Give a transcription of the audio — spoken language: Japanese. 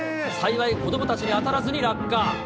幸い、子どもたちに当たらずに落下。